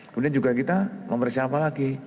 kemudian juga kita memeriksa apa lagi